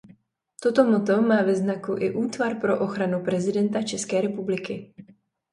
Toto motto má ve znaku i Útvar pro ochranu prezidenta České republiky.